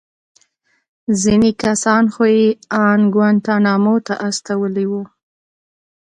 ځينې کسان خو يې ان گوانټانامو ته استولي وو.